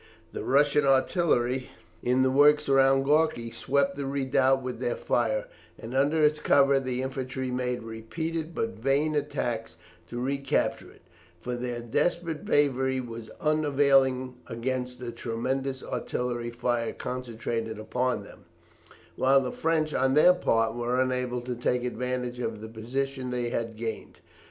The Russian artillery, in the works round Gorki, swept the redoubt with their fire, and under its cover the infantry made repeated but vain attacks to recapture it, for their desperate bravery was unavailing against the tremendous artillery fire concentrated upon them, while the French on their part were unable to take advantage of the position they had gained.